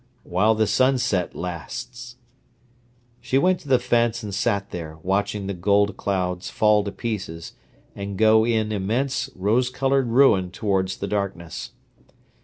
"While the sunset lasts." She went to the fence and sat there, watching the gold clouds fall to pieces, and go in immense, rose coloured ruin towards the darkness.